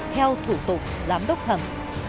theo thủ tục giám đốc thẩm